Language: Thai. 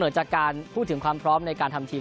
จากการพูดถึงความพร้อมในการทำทีม